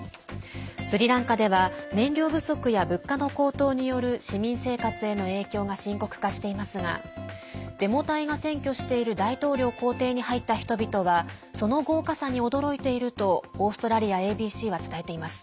スリランカでは燃料不足や物価の高騰による市民生活への影響が深刻化していますがデモ隊が占拠している大統領公邸に入った人々はその豪華さに驚いているとオーストラリアＡＢＣは伝えています。